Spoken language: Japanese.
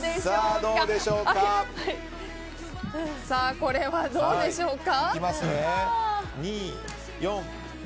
これは、どうでしょうか。